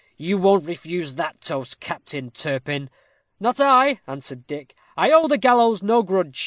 You won't refuse that toast, Captain Turpin?" "Not I," answered Dick; "I owe the gallows no grudge.